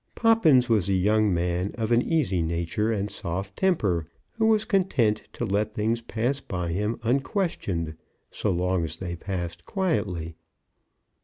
Poppins was a young man of an easy nature and soft temper, who was content to let things pass by him unquestioned, so long as they passed quietly.